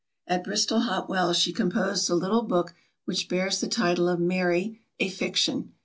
At Bristol Hot Wells she composed the little book which bears the title of Mary, a Fiction.